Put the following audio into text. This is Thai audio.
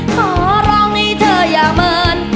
ขอร้องให้เธออย่าเมิน